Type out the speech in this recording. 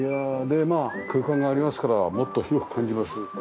でまあ空間がありますからもっと広く感じます。